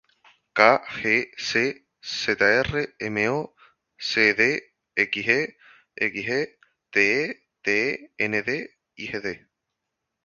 Ca, Ge, Se, Zr, Mo, Cd, Xe, Xe, Te, Te, Nd y Gd.